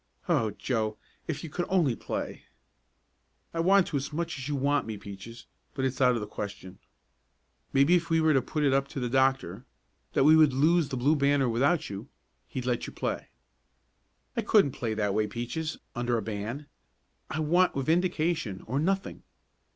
"Oh, Joe, if you could only play!" "I want to as much as you want me, Peaches, but it's out of the question." "Maybe if we were to put it up to the doctor that we would lose the Blue Banner without you he'd let you play." "I couldn't play that way, Peaches under a ban. I want vindication or nothing."